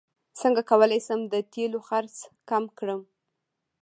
څنګه کولی شم د تیلو خرڅ کم کړم